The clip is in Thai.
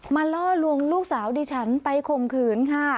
ล่อลวงลูกสาวดิฉันไปข่มขืนค่ะ